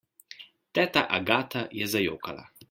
Teta Agata je zajokala.